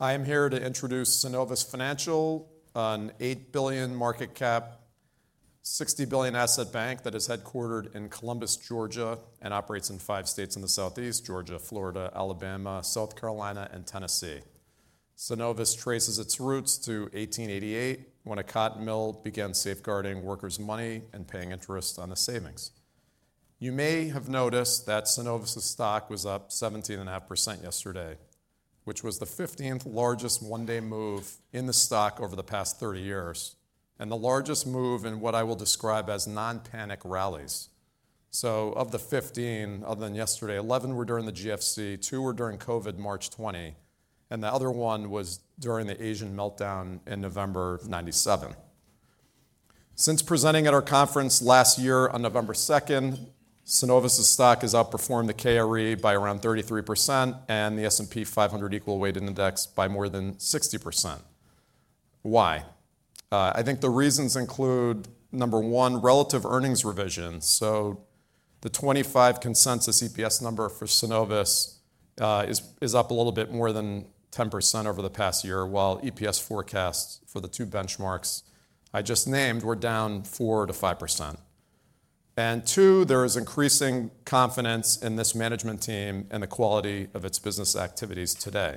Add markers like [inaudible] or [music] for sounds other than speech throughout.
I am here to introduce Synovus Financial, an $8 billion market cap, $60 billion asset bank that is headquartered in Columbus, Georgia, and operates in five states in the Southeast: Georgia, Florida, Alabama, South Carolina, and Tennessee. Synovus traces its roots to 1888, when a cotton mill began safeguarding workers' money and paying interest on the savings. You may have noticed that Synovus' stock was up 17.5% yesterday, which was the 15th largest one-day move in the stock over the past 30 years, and the largest move in what I will describe as non-panic rallies. Of the 15 other than yesterday, 11 were during the GFC, two were during COVID March 2020, and the other one was during the Asian meltdown in November 1997. Since presenting at our conference last year on November 2nd, Synovus' stock has outperformed the KRE by around 33% and the S&P 500 equal-weighted index by more than 60%. Why? I think the reasons include, number one, relative earnings revision. So, the 2025 consensus EPS number for Synovus is up a little bit more than 10% over the past year, while EPS forecasts for the two benchmarks I just named were down 4%-5%, and two, there is increasing confidence in this management team and the quality of its business activities today.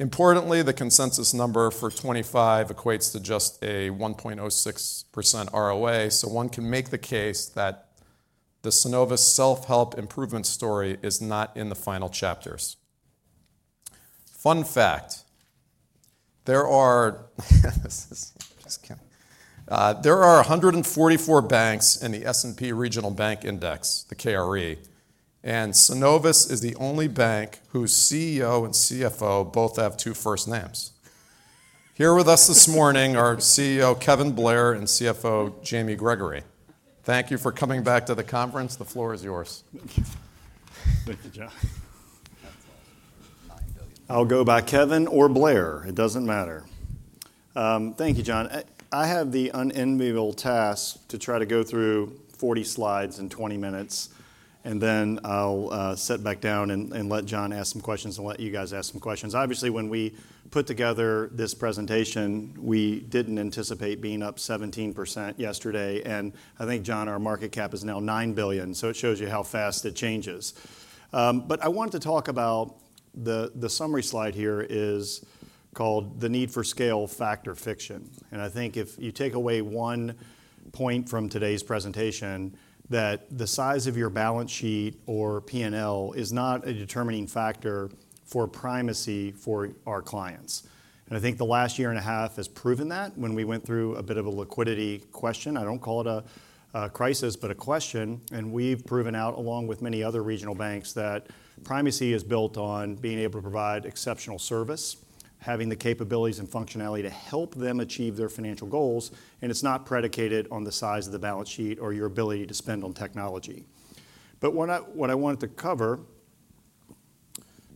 Importantly, the consensus number for 2025 equates to just a 1.06% ROA, so one can make the case that the Synovus self-help improvement story is not in the final chapters. Fun fact: There are 144 banks in the S&P Regional Bank Index, the KRE, and Synovus is the only bank whose CEO and CFO both have two first names. Here with us this morning are CEO Kevin Blair and CFO Jamie Gregory. Thank you for coming back to the conference. The floor is yours. Thank you. Thank you, John. I'll go by Kevin or Blair. It doesn't matter. Thank you, John. I have the unenviable task to try to go through 40 slides in 20 minutes, and then I'll sit back down and let John ask some questions and let you guys ask some questions. Obviously, when we put together this presentation, we didn't anticipate being up 17% yesterday, and I think, John, our market cap is now $9 billion, so it shows you how fast it changes. But I wanted to talk about the summary slide here is called the need for scale fact or fiction, and I think if you take away one point from today's presentation, that the size of your balance sheet or P&L is not a determining factor for primacy for our clients. I think the last year and a half has proven that when we went through a bit of a liquidity question. I don't call it a crisis, but a question, and we've proven out, along with many other regional banks, that primacy is built on being able to provide exceptional service, having the capabilities and functionality to help them achieve their financial goals, and it's not predicated on the size of the balance sheet or your ability to spend on technology. But what I wanted to cover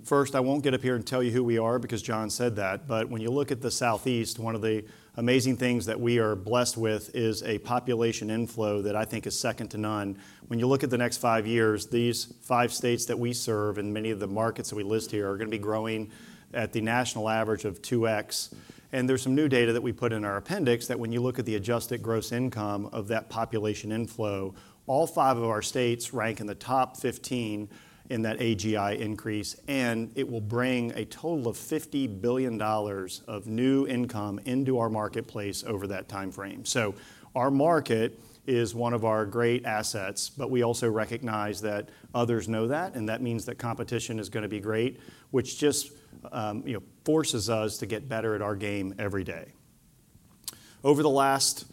first, I won't get up here and tell you who we are because John said that, but when you look at the Southeast, one of the amazing things that we are blessed with is a population inflow that I think is second to none. When you look at the next five years, these five states that we serve and many of the markets that we list here are going to be growing at the national average of 2X, and there's some new data that we put in our appendix that when you look at the adjusted gross income of that population inflow, all five of our states rank in the top 15 in that AGI increase, and it will bring a total of $50 billion of new income into our marketplace over that timeframe. So, our market is one of our great assets, but we also recognize that others know that, and that means that competition is going to be great, which just forces us to get better at our game every day. Over the last,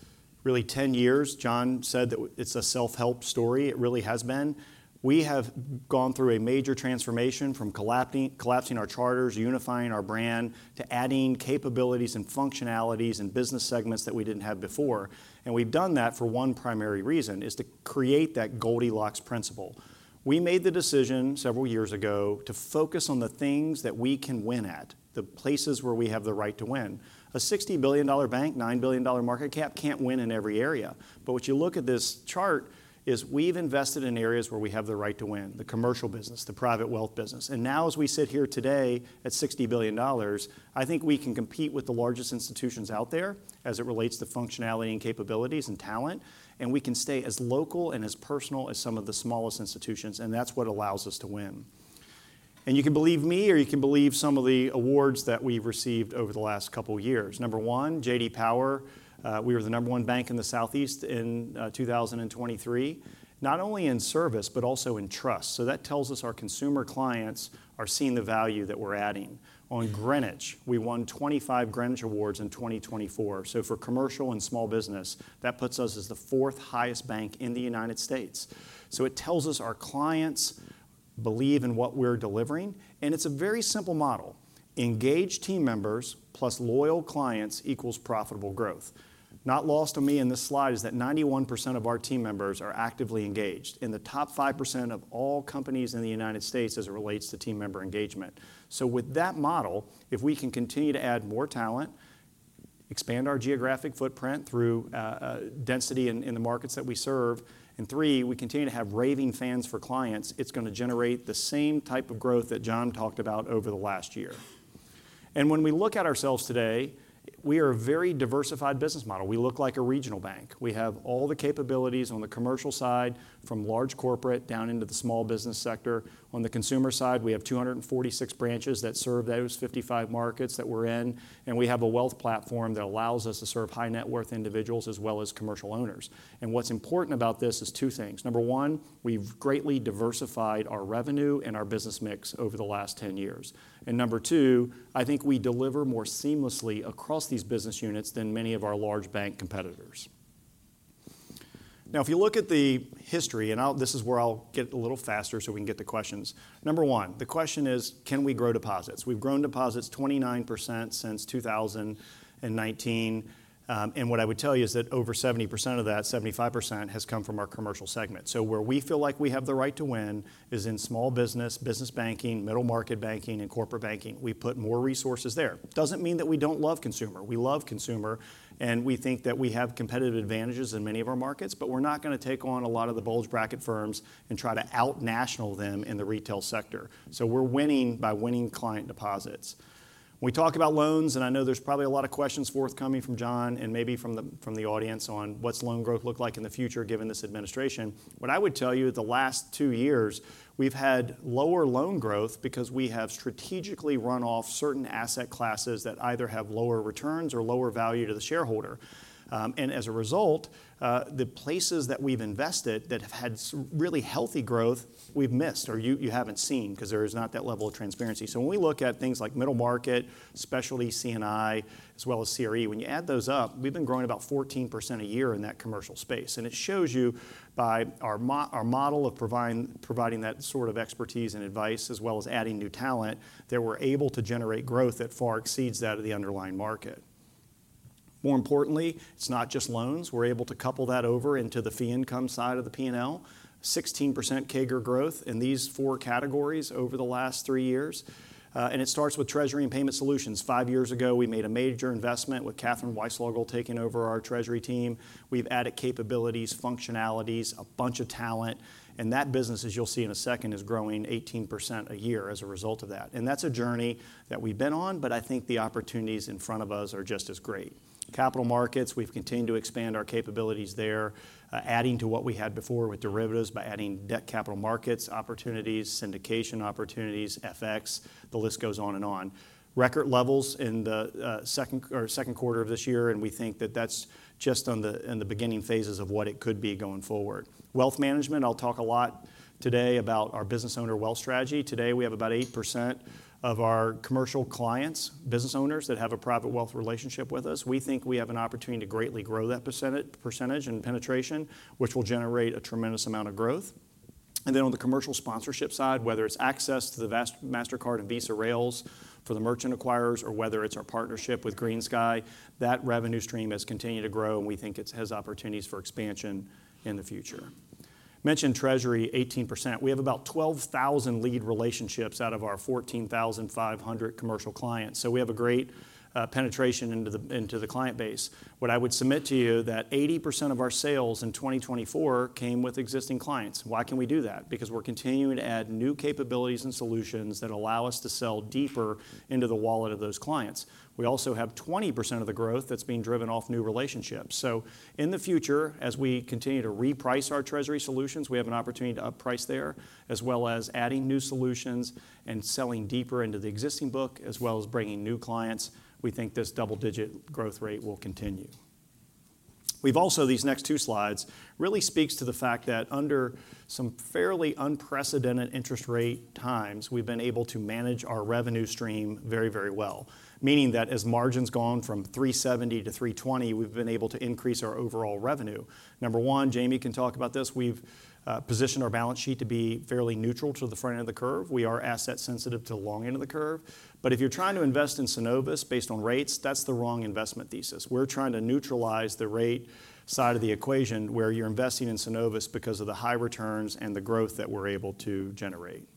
really, 10 years, John said that it's a self-help story. It really has been. We have gone through a major transformation from collapsing our charters, unifying our brand, to adding capabilities and functionalities and business segments that we didn't have before, and we've done that for one primary reason: to create that Goldilocks Principle. We made the decision several years ago to focus on the things that we can win at, the places where we have the right to win. A $60 billion bank, $9 billion market cap, can't win in every area, but what you look at this chart is we've invested in areas where we have the right to win: the commercial business, the private wealth business, and now as we sit here today at $60 billion, I think we can compete with the largest institutions out there as it relates to functionality and capabilities and talent, and we can stay as local and as personal as some of the smallest institutions, and that's what allows us to win. And you can believe me, or you can believe some of the awards that we've received over the last couple of years. Number one, J.D. Power. We were the number one bank in the Southeast in 2023, not only in service but also in trust, so that tells us our consumer clients are seeing the value that we're adding. On Coalition Greenwich, we won 25 Greenwich Awards in 2024, so for commercial and small business, that puts us as the fourth highest bank in the United States, so it tells us our clients believe in what we're delivering, and it's a very simple model: engaged team members plus loyal clients equals profitable growth. Not lost on me in this slide is that 91% of our team members are actively engaged, and the top 5% of all companies in the United States as it relates to team member engagement, so with that model, if we can continue to add more talent, expand our geographic footprint through density in the markets that we serve, and three, we continue to have raving fans for clients, it's going to generate the same type of growth that John talked about over the last year. When we look at ourselves today, we are a very diversified business model. We look like a regional bank. We have all the capabilities on the commercial side, from large corporate down into the small business sector. On the consumer side, we have 246 branches that serve those 55 markets that we're in, and we have a wealth platform that allows us to serve high-net-worth individuals as well as commercial owners. What's important about this is two things: number one, we've greatly diversified our revenue and our business mix over the last 10 years, and number two, I think we deliver more seamlessly across these business units than many of our large bank competitors. Now, if you look at the history, and this is where I'll get a little faster so we can get to questions. Number one, the question is, can we grow deposits? We've grown deposits 29% since 2019, and what I would tell you is that over 70% of that, 75%, has come from our commercial segment. So, where we feel like we have the right to win is in small business, business banking, middle market banking, and corporate banking. We put more resources there. Doesn't mean that we don't love consumer. We love consumer, and we think that we have competitive advantages in many of our markets, but we're not going to take on a lot of the bulge bracket firms and try to outnational them in the retail sector. So, we're winning by winning client deposits. We talk about loans, and I know there's probably a lot of questions forthcoming from John and maybe from the audience on what's loan growth look like in the future given this administration. What I would tell you, the last two years, we've had lower loan growth because we have strategically run off certain asset classes that either have lower returns or lower value to the shareholder, and as a result, the places that we've invested that have had really healthy growth, we've missed or you haven't seen because there is not that level of transparency. So, when we look at things like middle market, specialty C&I, as well as CRE, when you add those up, we've been growing about 14% a year in that commercial space, and it shows you by our model of providing that sort of expertise and advice as well as adding new talent that we're able to generate growth that far exceeds that of the underlying market. More importantly, it's not just loans. We're able to couple that over into the fee income side of the P&L: 16% CAGR growth in these four categories over the last three years, and it starts with Treasury and Payment Solutions. Five years ago, we made a major investment with Katherine Weislogel taking over our Treasury team. We've added capabilities, functionalities, a bunch of talent, and that business, as you'll see in a second, is growing 18% a year as a result of that, and that's a journey that we've been on, but I think the opportunities in front of us are just as great. Capital markets, we've continued to expand our capabilities there, adding to what we had before with derivatives by adding debt capital markets opportunities, syndication opportunities, FX, the list goes on and on. Record levels in the second quarter of this year, and we think that that's just in the beginning phases of what it could be going forward. Wealth management. I'll talk a lot today about our business owner wealth strategy. Today, we have about 8% of our commercial clients, business owners that have a private wealth relationship with us. We think we have an opportunity to greatly grow that percentage and penetration, which will generate a tremendous amount of growth, and then on the commercial sponsorship side, whether it's access to the Mastercard and Visa rails for the merchant acquirers or whether it's our partnership with GreenSky, that revenue stream has continued to grow, and we think it has opportunities for expansion in the future. Mentioned Treasury, 18%. We have about 12,000 lead relationships out of our 14,500 commercial clients, so we have a great penetration into the client base. What I would submit to you is that 80% of our sales in 2024 came with existing clients. Why can we do that? Because we're continuing to add new capabilities and solutions that allow us to sell deeper into the wallet of those clients. We also have 20% of the growth that's being driven off new relationships. So, in the future, as we continue to reprice our Treasury solutions, we have an opportunity to upprice there, as well as adding new solutions and selling deeper into the existing book, as well as bringing new clients. We think this double-digit growth rate will continue. We've also these next two slides really speak to the fact that under some fairly unprecedented interest rate times, we've been able to manage our revenue stream very, very well, meaning that as margins gone from 370-320, we've been able to increase our overall revenue. Number one, Jamie can talk about this. We've positioned our balance sheet to be fairly neutral to the front end of the curve. We are asset-sensitive to the long end of the curve, but if you're trying to invest in Synovus based on rates, that's the wrong investment thesis. We're trying to neutralize the rate side of the equation where you're investing in Synovus because of the high returns and the growth that we're able to generate.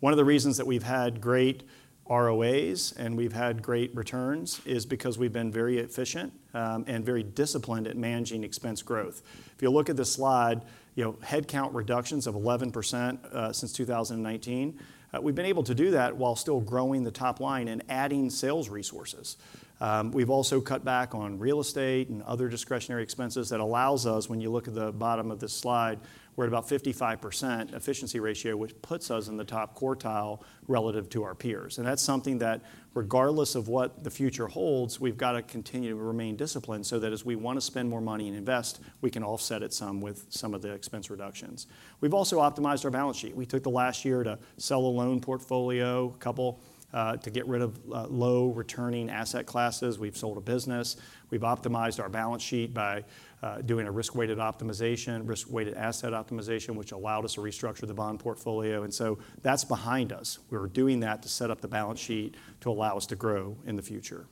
One of the reasons that we've had great ROAs and we've had great returns is because we've been very efficient and very disciplined at managing expense growth. If you look at this slide, headcount reductions of 11% since 2019, we've been able to do that while still growing the top line and adding sales resources. We've also cut back on real estate and other discretionary expenses that allows us, when you look at the bottom of this slide, we're at about 55% efficiency ratio, which puts us in the top quartile relative to our peers, and that's something that regardless of what the future holds, we've got to continue to remain disciplined so that as we want to spend more money and invest, we can offset it some with some of the expense reductions. We've also optimized our balance sheet. We took the last year to sell a loan portfolio, a couple, to get rid of low-returning asset classes. We've sold a business. We've optimized our balance sheet by doing a risk-weighted optimization, risk-weighted asset optimization, which allowed us to restructure the bond portfolio, and so that's behind us. We're doing that to set up the balance sheet to allow us to grow in the future,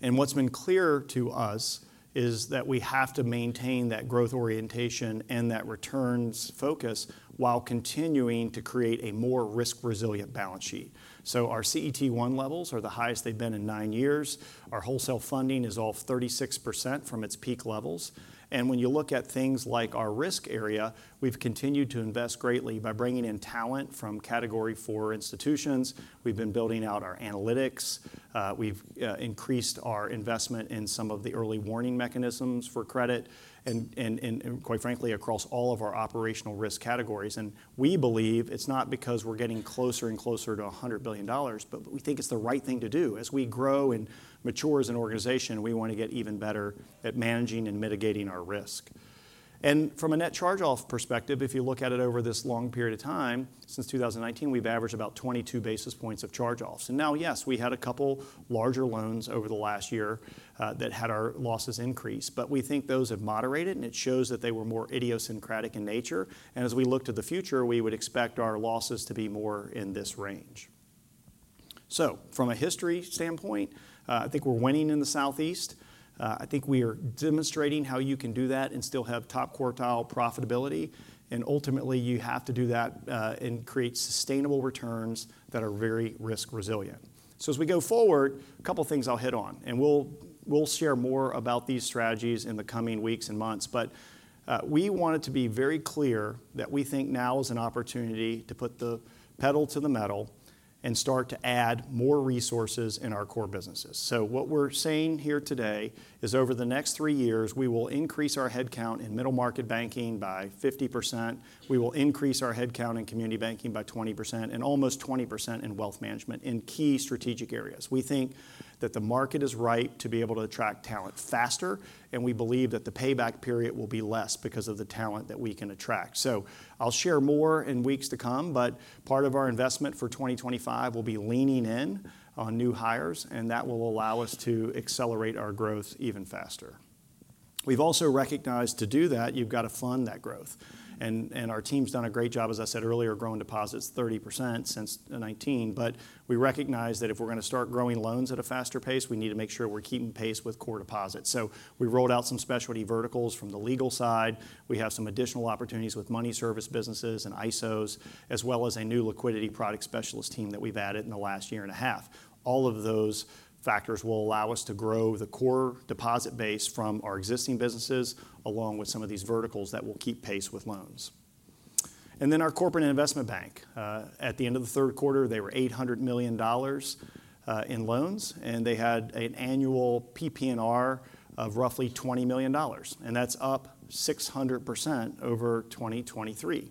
and what's been clear to us is that we have to maintain that growth orientation and that returns focus while continuing to create a more risk-resilient balance sheet, so our CET1 levels are the highest they've been in nine years. Our wholesale funding is off 36% from its peak levels, and when you look at things like our risk area, we've continued to invest greatly by bringing in talent from Category IV institutions. We've been building out our analytics. We've increased our investment in some of the early warning mechanisms for credit and, quite frankly, across all of our operational risk categories, and we believe it's not because we're getting closer and closer to $100 billion, but we think it's the right thing to do. As we grow and mature as an organization, we want to get even better at managing and mitigating our risk, and from a net charge-off perspective, if you look at it over this long period of time, since 2019, we've averaged about 22 basis points of charge-offs, and now, yes, we had a couple larger loans over the last year that had our losses increase, but we think those have moderated, and it shows that they were more idiosyncratic in nature, and as we look to the future, we would expect our losses to be more in this range, so from a history standpoint, I think we're winning in the Southeast. I think we are demonstrating how you can do that and still have top quartile profitability, and ultimately, you have to do that and create sustainable returns that are very risk-resilient. So, as we go forward, a couple of things I'll hit on, and we'll share more about these strategies in the coming weeks and months, but we wanted to be very clear that we think now is an opportunity to put the pedal to the metal and start to add more resources in our core businesses. So, what we're saying here today is over the next three years, we will increase our headcount in middle market banking by 50%. We will increase our headcount in community banking by 20% and almost 20% in wealth management in key strategic areas. We think that the market is ripe to be able to attract talent faster, and we believe that the payback period will be less because of the talent that we can attract. So, I'll share more in weeks to come, but part of our investment for 2025 will be leaning in on new hires, and that will allow us to accelerate our growth even faster. We've also recognized to do that, you've got to fund that growth, and our team's done a great job, as I said earlier, growing deposits 30% since 2019, but we recognize that if we're going to start growing loans at a faster pace, we need to make sure we're keeping pace with core deposits. So, we rolled out some specialty verticals from the legal side. We have some additional opportunities with money service businesses and ISOs, as well as a new liquidity product specialist team that we've added in the last year and a half. All of those factors will allow us to grow the core deposit base from our existing businesses along with some of these verticals that will keep pace with loans, and then our corporate investment bank, at the end of the third quarter, they were $800 million in loans, and they had an annual PPNR of roughly $20 million, and that's up 600% over 2023.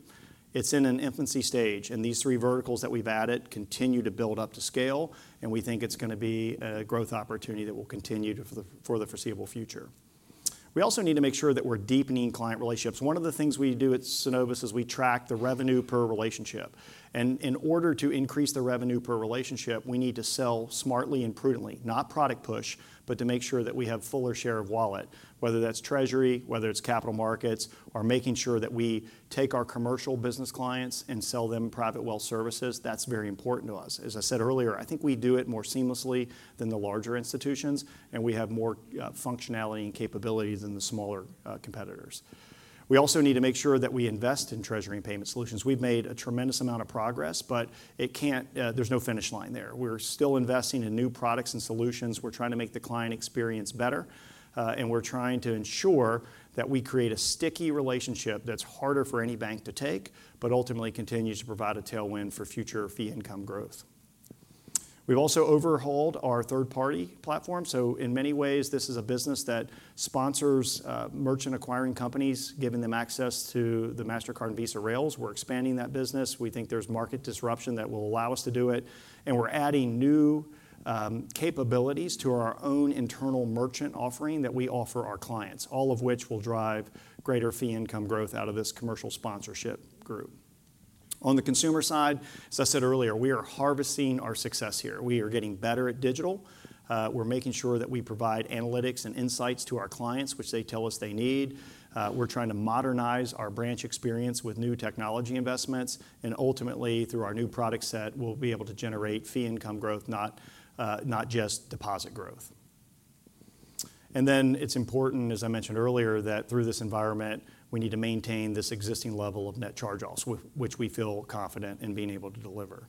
It's in an infancy stage, and these three verticals that we've added continue to build up to scale, and we think it's going to be a growth opportunity that will continue for the foreseeable future. We also need to make sure that we're deepening client relationships. One of the things we do at Synovus is we track the revenue per relationship, and in order to increase the revenue per relationship, we need to sell smartly and prudently, not product push, but to make sure that we have fuller share of wallet, whether that's Treasury, whether it's capital markets, or making sure that we take our commercial business clients and sell them private wealth services. That's very important to us. As I said earlier, I think we do it more seamlessly than the larger institutions, and we have more functionality and capability than the smaller competitors. We also need to make sure that we invest in Treasury and Payment Solutions. We've made a tremendous amount of progress, but there's no finish line there. We're still investing in new products and solutions. We're trying to make the client experience better, and we're trying to ensure that we create a sticky relationship that's harder for any bank to take, but ultimately continues to provide a tailwind for future fee income growth. We've also overhauled our third-party platform. So, in many ways, this is a business that sponsors merchant acquiring companies, giving them access to the Mastercard and Visa rails. We're expanding that business. We think there's market disruption that will allow us to do it, and we're adding new capabilities to our own internal merchant offering that we offer our clients, all of which will drive greater fee income growth out of this commercial sponsorship group. On the consumer side, as I said earlier, we are harvesting our success here. We are getting better at digital. We're making sure that we provide analytics and insights to our clients, which they tell us they need. We're trying to modernize our branch experience with new technology investments, and ultimately, through our new product set, we'll be able to generate fee income growth, not just deposit growth, and then it's important, as I mentioned earlier, that through this environment, we need to maintain this existing level of net charge-offs, which we feel confident in being able to deliver,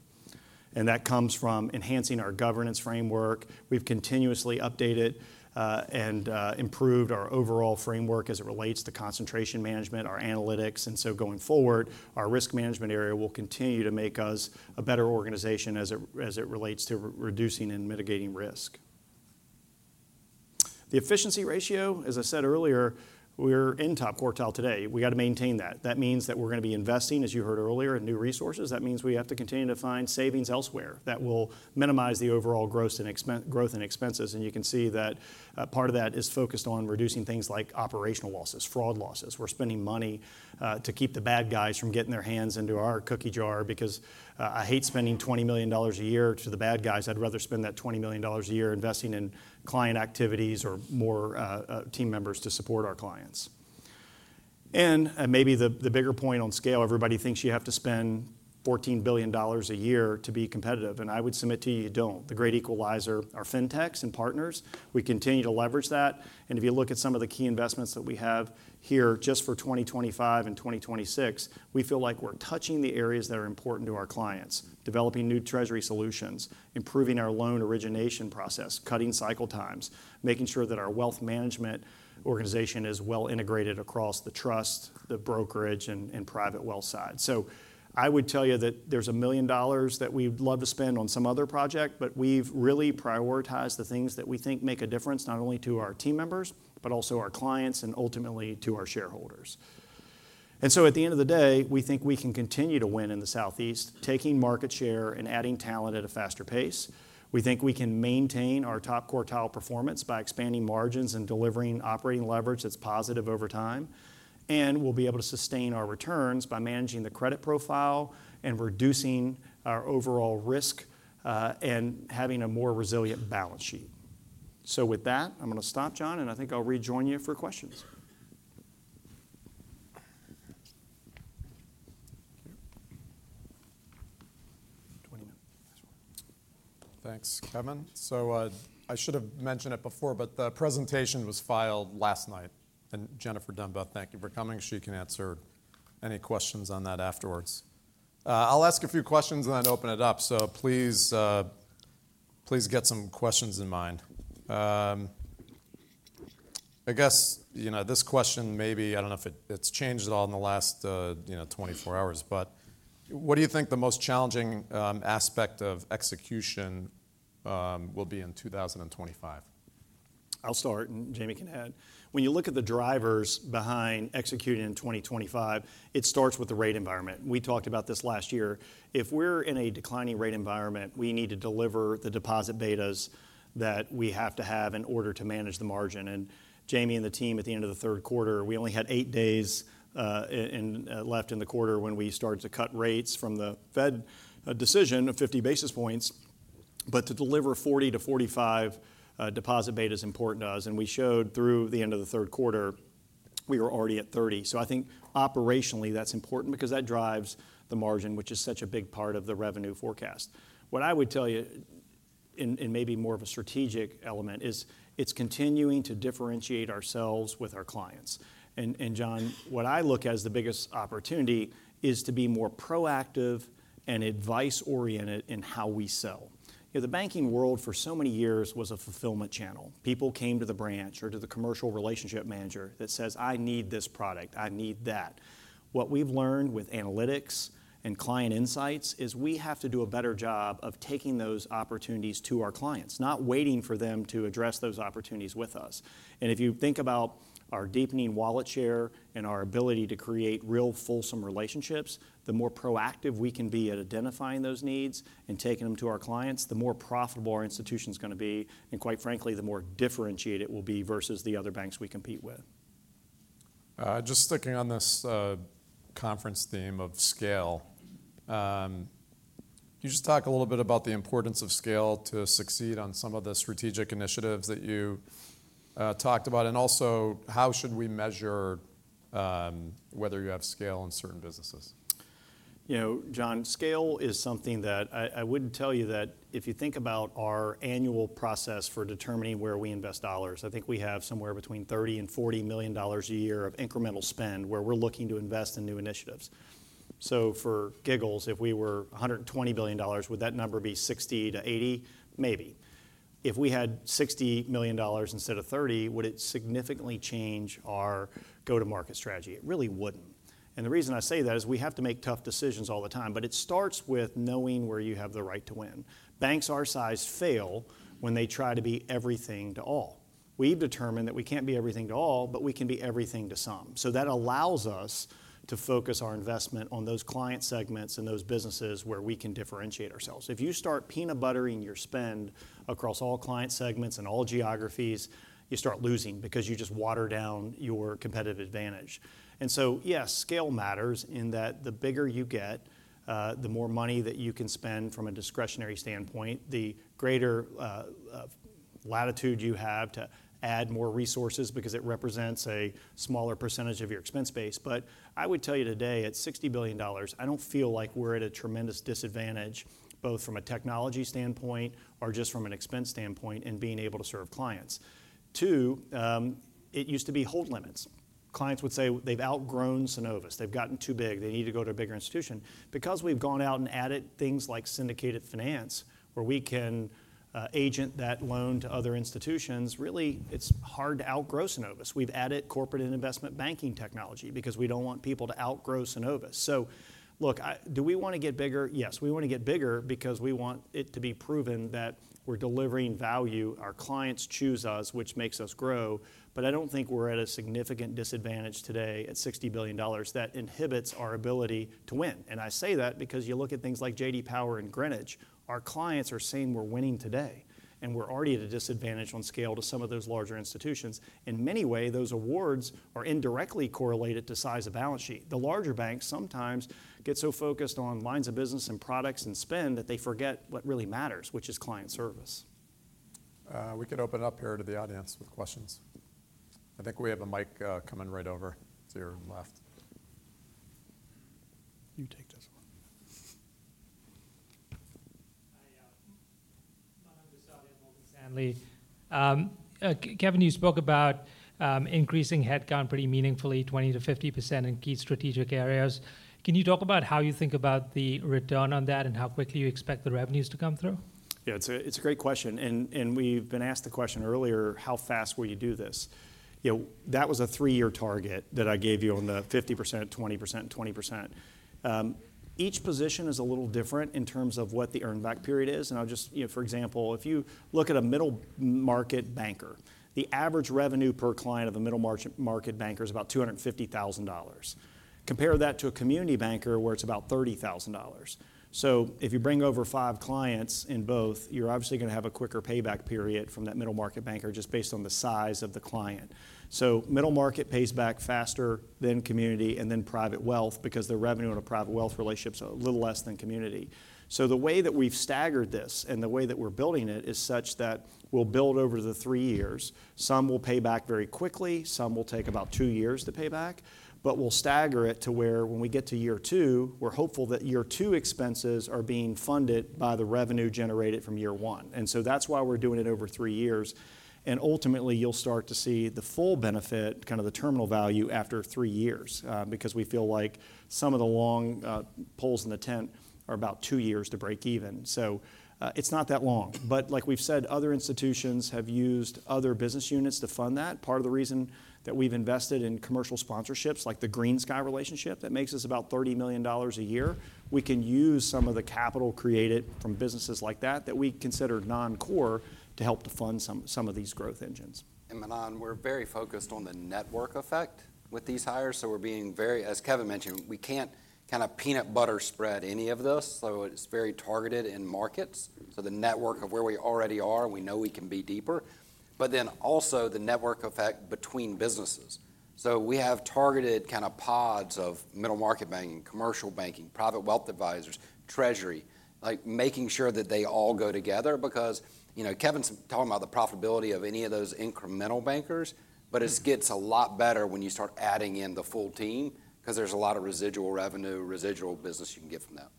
and that comes from enhancing our governance framework. We've continuously updated and improved our overall framework as it relates to concentration management, our analytics, and so going forward, our risk management area will continue to make us a better organization as it relates to reducing and mitigating risk. The efficiency ratio, as I said earlier, we're in top quartile today. We got to maintain that. That means that we're going to be investing, as you heard earlier, in new resources. That means we have to continue to find savings elsewhere that will minimize the overall growth and expenses, and you can see that part of that is focused on reducing things like operational losses, fraud losses. We're spending money to keep the bad guys from getting their hands into our cookie jar because I hate spending $20 million a year to the bad guys. I'd rather spend that $20 million a year investing in client activities or more team members to support our clients, and maybe the bigger point on scale, everybody thinks you have to spend $14 billion a year to be competitive, and I would submit to you, you don't. The great equalizer are FinTechs and partners. We continue to leverage that, and if you look at some of the key investments that we have here just for 2025 and 2026, we feel like we're touching the areas that are important to our clients, developing new Treasury solutions, improving our loan origination process, cutting cycle times, making sure that our wealth management organization is well integrated across the trust, the brokerage, and private wealth side, so I would tell you that there's $1 million that we'd love to spend on some other project, but we've really prioritized the things that we think make a difference not only to our team members, but also our clients and ultimately to our shareholders, and so, at the end of the day, we think we can continue to win in the Southeast, taking market share and adding talent at a faster pace. We think we can maintain our top quartile performance by expanding margins and delivering operating leverage that's positive over time, and we'll be able to sustain our returns by managing the credit profile and reducing our overall risk and having a more resilient balance sheet. So, with that, I'm going to stop, John, and I think I'll rejoin you for questions. Thanks, Kevin. So, I should have mentioned it before, but the presentation was filed last night, and Jennifer Demba, thank you for coming. She can answer any questions on that afterwards. I'll ask a few questions and then open it up, so please get some questions in mind. I guess this question maybe, I don't know if it's changed at all in the last 24 hours, but what do you think the most challenging aspect of execution will be in 2025? I'll start, and Jamie can add. When you look at the drivers behind executing in 2025, it starts with the rate environment. We talked about this last year. If we're in a declining rate environment, we need to deliver the deposit betas that we have to have in order to manage the margin, and Jamie and the team, at the end of the third quarter, we only had eight days left in the quarter when we started to cut rates from the Fed decision of 50 basis points, but to deliver 40-45 deposit betas important to us, and we showed through the end of the third quarter, we were already at 30. So, I think operationally that's important because that drives the margin, which is such a big part of the revenue forecast. What I would tell you in maybe more of a strategic element is it's continuing to differentiate ourselves with our clients, and John, what I look as the biggest opportunity is to be more proactive and advice-oriented in how we sell. The banking world for so many years was a fulfillment channel. People came to the branch or to the commercial relationship manager that says, "I need this product. I need that." What we've learned with analytics and client insights is we have to do a better job of taking those opportunities to our clients, not waiting for them to address those opportunities with us, and if you think about our deepening wallet share and our ability to create real fulsome relationships, the more proactive we can be at identifying those needs and taking them to our clients, the more profitable our institution's going to be, and quite frankly, the more differentiated it will be versus the other banks we compete with. Just sticking on this conference theme of scale, could you just talk a little bit about the importance of scale to succeed on some of the strategic initiatives that you talked about, and also how should we measure whether you have scale in certain businesses? John, scale is something that I wouldn't tell you that if you think about our annual process for determining where we invest dollars. I think we have somewhere between $30-$40 million a year of incremental spend where we're looking to invest in new initiatives. So, for giggles, if we were $120 billion, would that number be 60-80? Maybe. If we had $60 million instead of 30, would it significantly change our go-to-market strategy? It really wouldn't, and the reason I say that is we have to make tough decisions all the time, but it starts with knowing where you have the right to win. Banks our size fail when they try to be everything to all. We've determined that we can't be everything to all, but we can be everything to some, so that allows us to focus our investment on those client segments and those businesses where we can differentiate ourselves. If you start peanut buttering your spend across all client segments and all geographies, you start losing because you just water down your competitive advantage, and so, yes, scale matters in that the bigger you get, the more money that you can spend from a discretionary standpoint, the greater latitude you have to add more resources because it represents a smaller percentage of your expense base, but I would tell you today at $60 billion, I don't feel like we're at a tremendous disadvantage both from a technology standpoint or just from an expense standpoint in being able to serve clients. Two, it used to be hold limits. Clients would say they've outgrown Synovus. They've gotten too big. They need to go to a bigger institution. Because we've gone out and added things like syndicated finance where we can agent that loan to other institutions, really it's hard to outgrow Synovus. We've added corporate and investment banking technology because we don't want people to outgrow Synovus. So, look, do we want to get bigger? Yes, we want to get bigger because we want it to be proven that we're delivering value. Our clients choose us, which makes us grow, but I don't think we're at a significant disadvantage today at $60 billion that inhibits our ability to win, and I say that because you look at things like J.D. Power and Greenwich, our clients are saying we're winning today, and we're already at a disadvantage on scale to some of those larger institutions. In many ways, those awards are indirectly correlated to size of balance sheet. The larger banks sometimes get so focused on lines of business and products and spend that they forget what really matters, which is client service. We can open it up here to the audience with questions. I think we have a mic coming right over to your left. You take this one. [audio distortion] Kevin, you spoke about increasing headcount pretty meaningfully, 20%-50% in key strategic areas. Can you talk about how you think about the return on that and how quickly you expect the revenues to come through? Yeah, it's a great question, and we've been asked the question earlier, how fast will you do this? That was a three-year target that I gave you on the 50%, 20%, 20%. Each position is a little different in terms of what the earnback period is, and I'll just, for example, if you look at a middle market banker, the average revenue per client of a middle market banker is about $250,000. Compare that to a community banker where it's about $30,000. So, if you bring over five clients in both, you're obviously going to have a quicker payback period from that middle market banker just based on the size of the client. So, middle market pays back faster than community and then private wealth because the revenue in a private wealth relationship is a little less than community. So, the way that we've staggered this and the way that we're building it is such that we'll build over the three years. Some will pay back very quickly. Some will take about two years to pay back, but we'll stagger it to where when we get to year two, we're hopeful that year two expenses are being funded by the revenue generated from year one, and so that's why we're doing it over three years, and ultimately you'll start to see the full benefit, kind of the terminal value after three years because we feel like some of the long poles in the tent are about two years to break even, so it's not that long, but like we've said, other institutions have used other business units to fund that. Part of the reason that we've invested in commercial sponsorships like the GreenSky relationship that makes us about $30 million a year. We can use some of the capital created from businesses like that that we consider non-core to help to fund some of these growth engines. And Manan, we're very focused on the network effect with these hires, so we're being very, as Kevin mentioned, we can't kind of peanut butter spread any of this, so it's very targeted in markets. So, the network of where we already are, we know we can be deeper, but then also the network effect between businesses. So, we have targeted kind of pods of middle market banking, commercial banking, private wealth advisors, treasury, like making sure that they all go together because Kevin's talking about the profitability of any of those incremental bankers, but it gets a lot better when you start adding in the full team because there's a lot of residual revenue, residual business you can get from that.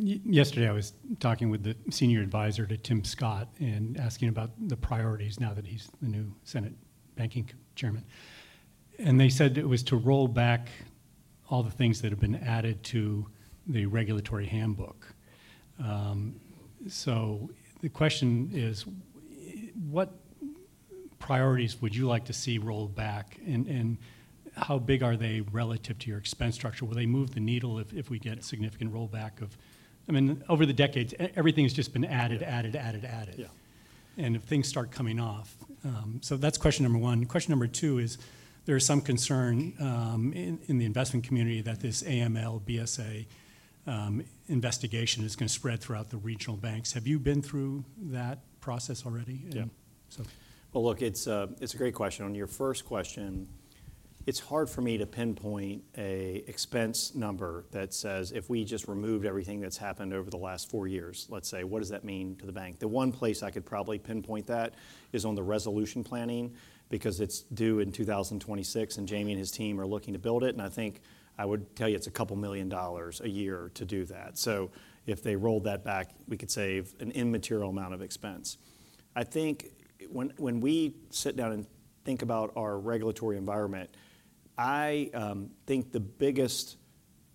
Yesterday, I was talking with the senior advisor to Tim Scott and asking about the priorities now that he's the new Senate Banking chairman, and they said it was to roll back all the things that have been added to the regulatory handbook. So, the question is, what priorities would you like to see rolled back, and how big are they relative to your expense structure? Will they move the needle if we get significant rollback of, I mean, over the decades, everything has just been added, added, added, added, and if things start coming off? So, that's question number one. Question number two is there is some concern in the investment community that this AML/BSA investigation is going to spread throughout the regional banks. Have you been through that process already? Yeah. Well, look, it's a great question. On your first question, it's hard for me to pinpoint an expense number that says if we just removed everything that's happened over the last four years, let's say, what does that mean to the bank? The one place I could probably pinpoint that is on the resolution planning because it's due in 2026, and Jamie and his team are looking to build it, and I think I would tell you it's $2 million a year to do that. So, if they rolled that back, we could save an immaterial amount of expense. I think when we sit down and think about our regulatory environment, I think the biggest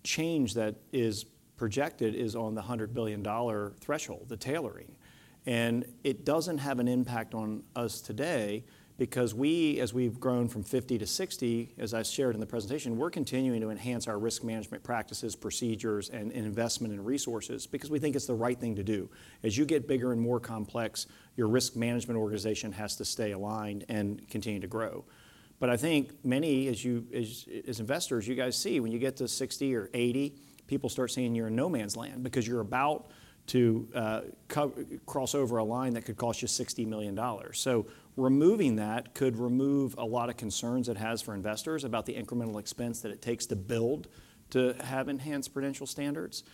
change that is projected is on the $100 billion threshold, the tailoring, and it doesn't have an impact on us today because we, as we've grown from 50 to 60, as I shared in the presentation, we're continuing to enhance our risk management practices, procedures, and investment and resources because we think it's the right thing to do. As you get bigger and more complex, your risk management organization has to stay aligned and continue to grow, but I think many, as investors, you guys see when you get to 60 or 80, people start seeing you're in no man's land because you're about to cross over a line that could cost you $60 million. Removing that could remove a lot of concerns it has for investors about the incremental expense that it takes to build to have enhanced prudential standards.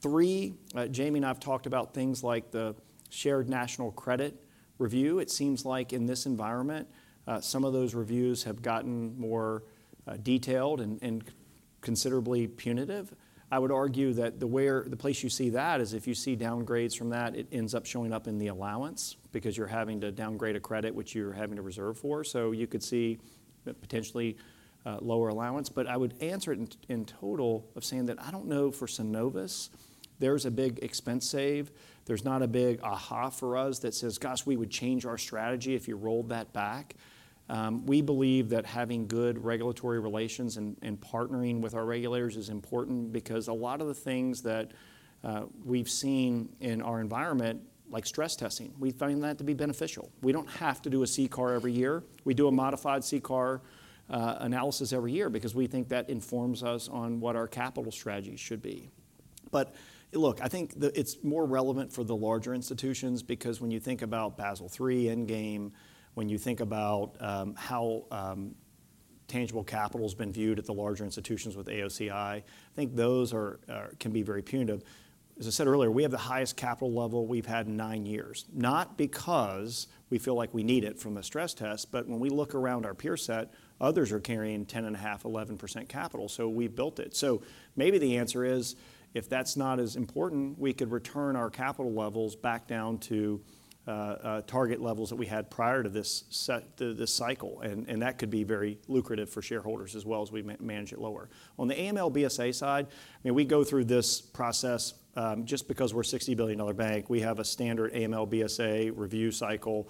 Three, Jamie and I have talked about things like the Shared National Credit review. It seems like in this environment, some of those reviews have gotten more detailed and considerably punitive. I would argue that the place you see that is if you see downgrades from that, it ends up showing up in the allowance because you're having to downgrade a credit which you're having to reserve for, so you could see potentially lower allowance, but I would answer it in total of saying that I don't know for Synovus. There's a big expense save. There's not a big aha for us that says, "Gosh, we would change our strategy if you rolled that back." We believe that having good regulatory relations and partnering with our regulators is important because a lot of the things that we've seen in our environment, like stress testing, we find that to be beneficial. We don't have to do a CCAR every year. We do a modified CCAR analysis every year because we think that informs us on what our capital strategy should be, but look, I think it's more relevant for the larger institutions because when you think about Basel III Endgame, when you think about how tangible capital has been viewed at the larger institutions with AOCI, I think those can be very punitive. As I said earlier, we have the highest capital level we've had in nine years, not because we feel like we need it from a stress test, but when we look around our peer set, others are carrying 10.5%-11% capital, so we've built it. So, maybe the answer is if that's not as important, we could return our capital levels back down to target levels that we had prior to this cycle, and that could be very lucrative for shareholders as well as we manage it lower. On the AML/BSA side, I mean, we go through this process just because we're a $60 billion bank. We have a standard AML/BSA review cycle.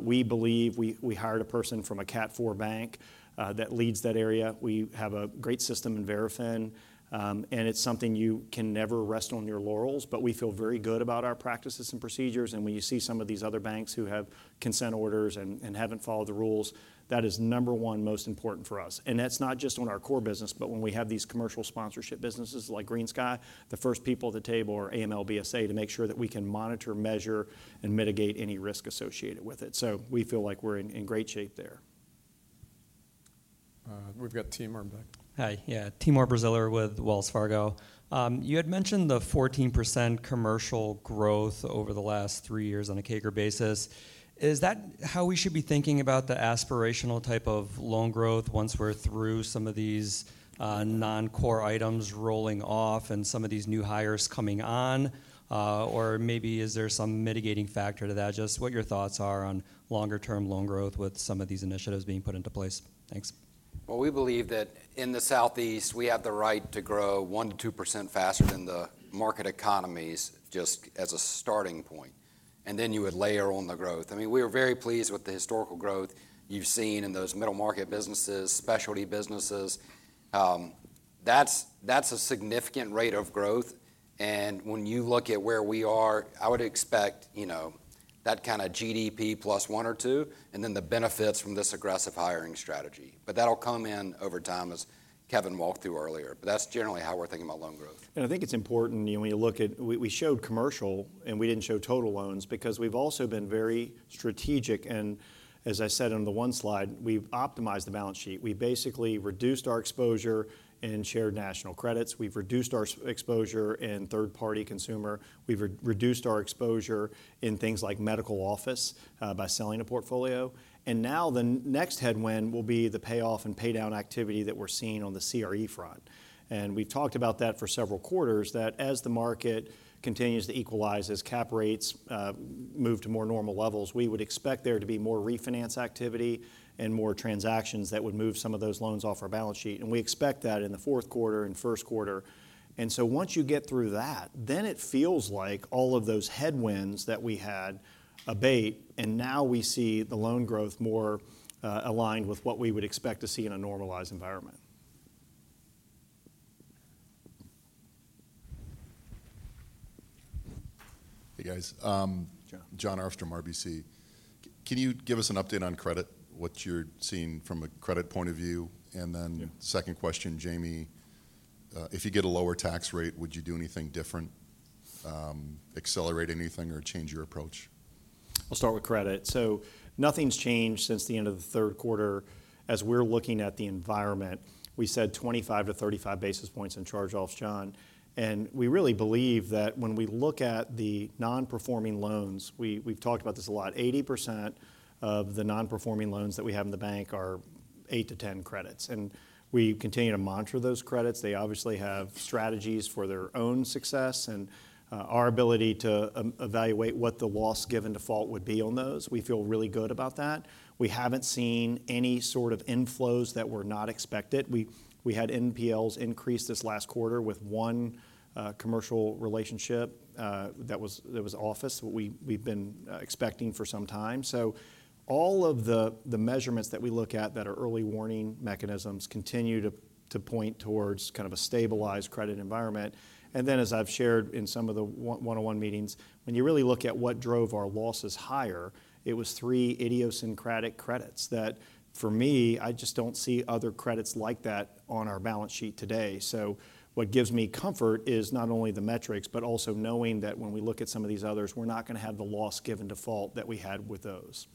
We believe we hired a person from a Category IV bank that leads that area. We have a great system in Verafin, and it's something you can never rest on your laurels, but we feel very good about our practices and procedures. When you see some of these other banks who have consent orders and haven't followed the rules, that is number one most important for us, and that's not just on our core business, but when we have these commercial sponsorship businesses like GreenSky, the first people at the table are AML/BSA to make sure that we can monitor, measure, and mitigate any risk associated with it, so we feel like we're in great shape there. We've got Timur Braziler. Hi, yeah, Timur Braziler with Wells Fargo Securities. You had mentioned the 14% commercial growth over the last three years on a CAGR basis. Is that how we should be thinking about the aspirational type of loan growth once we're through some of these non-core items rolling off and some of these new hires coming on, or maybe is there some mitigating factor to that? Just what your thoughts are on longer-term loan growth with some of these initiatives being put into place? Thanks. We believe that in the Southeast, we have the right to grow 1%-2% faster than the market economies just as a starting point, and then you would layer on the growth. I mean, we are very pleased with the historical growth you've seen in those middle market businesses, specialty businesses. That's a significant rate of growth, and when you look at where we are, I would expect that kind of GDP plus 1% or 2% and then the benefits from this aggressive hiring strategy, but that'll come in over time as Kevin walked through earlier, but that's generally how we're thinking about loan growth. I think it's important when you look at we showed commercial, and we didn't show total loans because we've also been very strategic, and as I said on the one slide, we've optimized the balance sheet. We basically reduced our exposure in shared national credits. We've reduced our exposure in third-party consumer. We've reduced our exposure in things like medical office by selling a portfolio, and now the next headwind will be the payoff and paydown activity that we're seeing on the CRE front, and we've talked about that for several quarters that as the market continues to equalize, as cap rates move to more normal levels, we would expect there to be more refinance activity and more transactions that would move some of those loans off our balance sheet, and we expect that in the fourth quarter and first quarter, and so once you get through that, then it feels like all of those headwinds that we had abate, and now we see the loan growth more aligned with what we would expect to see in a normalized environment. Hey guys. Jon. Jon Arfstrom, RBC. Can you give us an update on credit, what you're seeing from a credit point of view, and then second question, Jamie, if you get a lower tax rate, would you do anything different, accelerate anything, or change your approach? I'll start with credit. So, nothing's changed since the end of the third quarter. As we're looking at the environment, we said 25-35 basis points in charge-offs, John, and we really believe that when we look at the non-performing loans, we've talked about this a lot, 80% of the non-performing loans that we have in the bank are 8-10 credits, and we continue to monitor those credits. They obviously have strategies for their own success and our ability to evaluate what the loss given default would be on those. We feel really good about that. We haven't seen any sort of inflows that were not expected. We had NPLs increase this last quarter with one commercial relationship that was office, what we've been expecting for some time, so all of the measurements that we look at that are early warning mechanisms continue to point towards kind of a stabilized credit environment, and then as I've shared in some of the one-on-one meetings, when you really look at what drove our losses higher, it was three idiosyncratic credits that for me, I just don't see other credits like that on our balance sheet today, so what gives me comfort is not only the metrics but also knowing that when we look at some of these others, we're not going to have the loss given default that we had with those.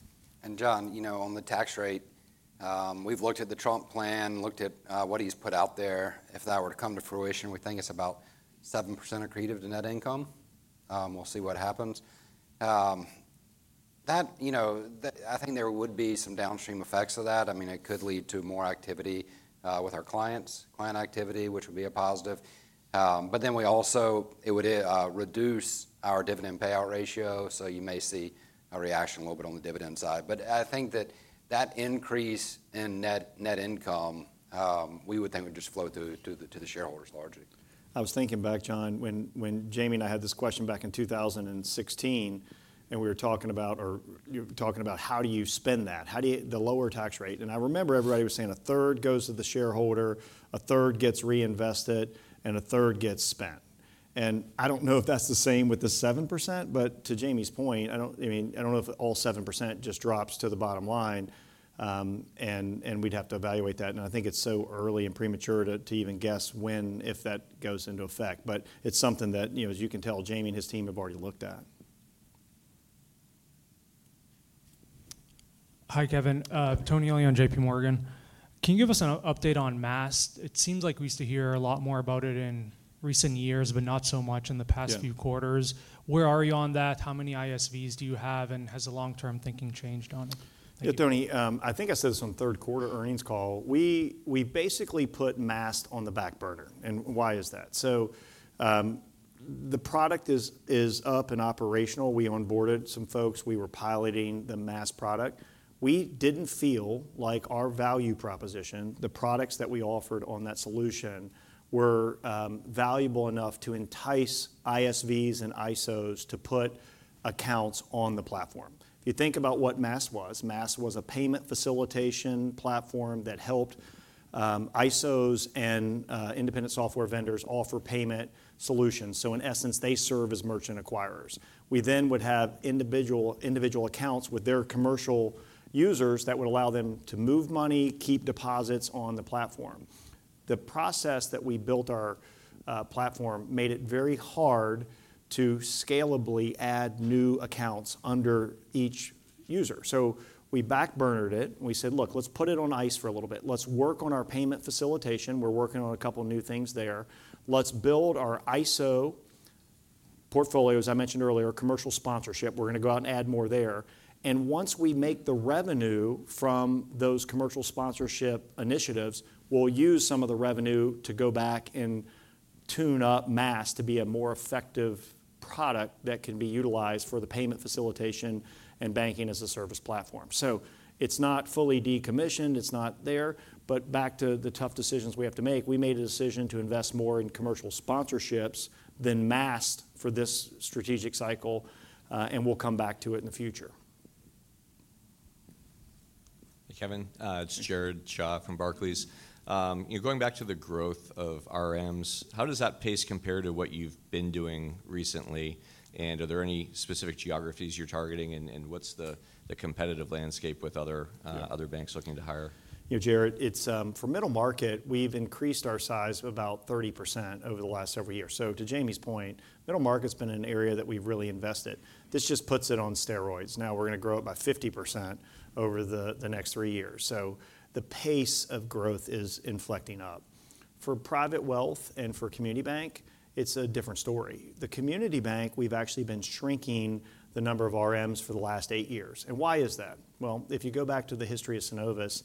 John, you know, on the tax rate, we've looked at the Trump plan, looked at what he's put out there. If that were to come to fruition, we think it's about 7% accretive to net income. We'll see what happens. That, you know, I think there would be some downstream effects of that. I mean, it could lead to more activity with our clients, client activity, which would be a positive, but then we also it would reduce our dividend payout ratio, so you may see a reaction a little bit on the dividend side, but I think that increase in net income, we would think would just flow to the shareholders largely. I was thinking back, John, when Jamie and I had this question back in 2016, and we were talking about, or you were talking about how do you spend that, how do you the lower tax rate, and I remember everybody was saying 1/3 goes to the shareholder, 1/3 gets reinvested, and 1/3 gets spent, and I don't know if that's the same with the 7%, but to Jamie's point, I don't, I mean, I don't know if all 7% just drops to the bottom line, and we'd have to evaluate that, and I think it's so early and premature to even guess when, if that goes into effect, but it's something that, you know, as you can tell, Jamie and his team have already looked at. Hi, Kevin. Tony Elian, JPMorgan. Can you give us an update on Maast? It seems like we used to hear a lot more about it in recent years, but not so much in the past few quarters. Where are you on that? How many ISVs do you have, and has the long-term thinking changed on it? Yeah, Tony, I think I said this on third quarter earnings call. We basically put Maast on the back burner, and why is that? So, the product is up and operational. We onboarded some folks. We were piloting the Maast product. We didn't feel like our value proposition, the products that we offered on that solution, were valuable enough to entice ISVs and ISOs to put accounts on the platform. If you think about what Maast was, Maast was a payment facilitation platform that helped ISOs and independent software vendors offer payment solutions, so in essence, they serve as merchant acquirers. We then would have individual accounts with their commercial users that would allow them to move money, keep deposits on the platform. The process that we built our platform made it very hard to scalably add new accounts under each user, so we back burnered it, and we said, "Look, let's put it on ice for a little bit. Let's work on our payment facilitation. We're working on a couple new things there. Let's build our ISO portfolio," as I mentioned earlier, "commercial sponsorship. We're going to go out and add more there," and once we make the revenue from those commercial sponsorship initiatives, we'll use some of the revenue to go back and tune up Maast to be a more effective product that can be utilized for the payment facilitation and banking as a service platform. So, it's not fully decommissioned. It's not there, but back to the tough decisions we have to make, we made a decision to invest more in commercial sponsorships than Maast for this strategic cycle, and we'll come back to it in the future. Hey, Kevin. It's Jared Shaw from Barclays. You know, going back to the growth of RMs, how does that pace compare to what you've been doing recently, and are there any specific geographies you're targeting, and what's the competitive landscape with other banks looking to hire? You know, Jared, it's for middle market, we've increased our size about 30% over the last several years, so to Jamie's point, middle market's been an area that we've really invested. This just puts it on steroids. Now we're going to grow it by 50% over the next three years, so the pace of growth is inflecting up. For private wealth and for community bank, it's a different story. The community bank, we've actually been shrinking the number of RMs for the last eight years, and why is that? Well, if you go back to the history of Synovus,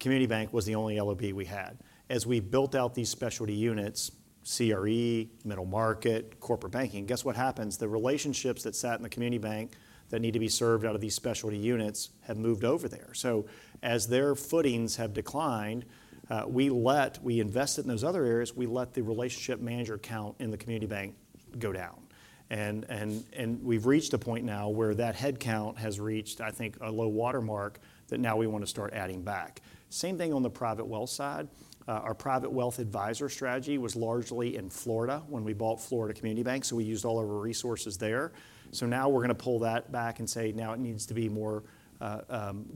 community bank was the only LOB we had. As we built out these specialty units, CRE, middle market, corporate banking, guess what happens? The relationships that sat in the community bank that need to be served out of these specialty units have moved over there, so as their footings have declined, we let, we invested in those other areas, we let the relationship manager count in the community bank go down, and we've reached a point now where that headcount has reached, I think, a low watermark that now we want to start adding back. Same thing on the private wealth side. Our private wealth advisor strategy was largely in Florida when we bought Florida Community Bank, so we used all our resources there, so now we're going to pull that back and say now it needs to be more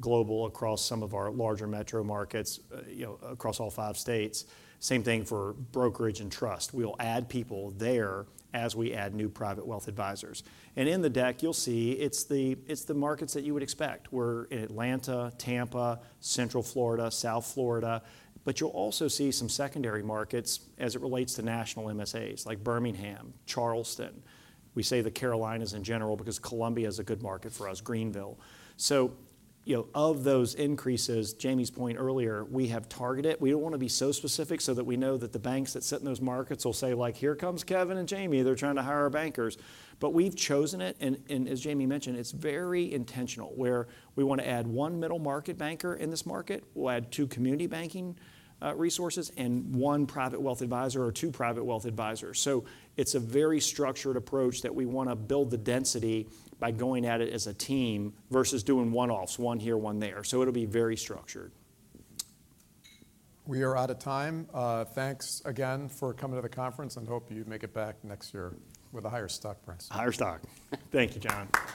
global across some of our larger metro markets, you know, across all five states. Same thing for brokerage and trust. We'll add people there as we add new private wealth advisors, and in the deck, you'll see it's the markets that you would expect. We're in Atlanta, Tampa, Central Florida, South Florida, but you'll also see some secondary markets as it relates to national MSAs like Birmingham, Charleston. We say the Carolinas in general because Columbia is a good market for us, Greenville, so you know, of those increases, Jamie's point earlier, we have targeted. We don't want to be so specific so that we know that the banks that sit in those markets will say like, "Here comes Kevin and Jamie. They're trying to hire our bankers," but we've chosen it, and as Jamie mentioned, it's very intentional where we want to add one middle market banker in this market. We'll add two community banking resources and one private wealth advisor or two private wealth advisors, so it's a very structured approach that we want to build the density by going at it as a team versus doing one-offs, one here, one there, so it'll be very structured. We are out of time. Thanks again for coming to the conference, and hope you make it back next year with a higher stock price. Higher stock. Thank you, John.